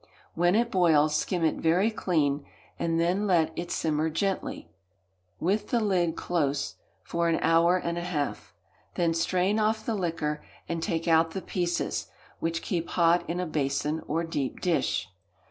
When it boils, skim it very clean, and then let it simmer gently, with the lid close, for an hour and a half. Then strain off the liquor, and take out the pieces, which keep hot in a basin or deep dish.